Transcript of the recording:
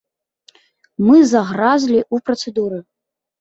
Мы загразлі ў працэдуры.